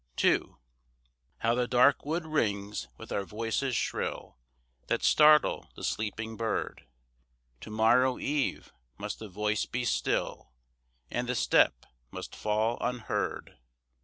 II How the dark wood rings with our voices shrill, That startle the sleeping bird! To morrow eve must the voice be still, And the step must fall unheard.